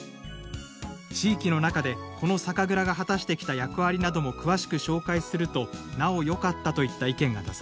「地域の中でこの酒蔵が果たしてきた役割なども詳しく紹介するとなおよかった」といった意見が出されました。